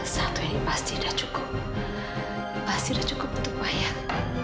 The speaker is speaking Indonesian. satu ini pasti udah cukup pasti cukup untuk bayar